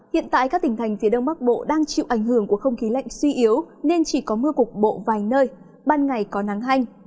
hiện tại các tỉnh thành phía đông bắc bộ đang chịu ảnh hưởng của không khí lạnh suy yếu nên chỉ có mưa cục bộ vài nơi ban ngày có nắng hanh